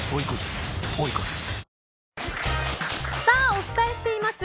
お伝えしています